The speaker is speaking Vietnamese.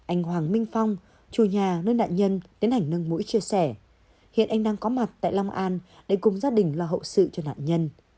anh hoàng minh phong chủ nhà nơi nạn nhân tiến hành nâng mũi chia sẻ hiện anh đang có mặt tại long an để cùng gia đình lo hậu sự cho nạn nhân